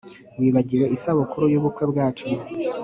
Wibagiwe isabukuru yubukwe bwacu